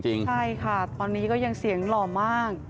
ใช่ค่ะตอนนี้ก็ยังเสียงหล่อมาก